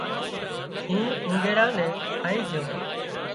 شينهن اونۮيڙا نين کائي جھو